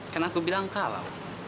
kan aku bilang kalau